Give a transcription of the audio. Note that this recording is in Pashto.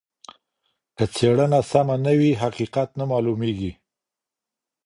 که څېړنه سمه نه وي حقیقت نه معلوميږي.